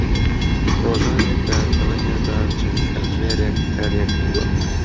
ڕۆژانێک لە تەمەنیاندا چەند کاتژمێر کاریان کردووە